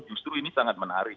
justru ini sangat menarik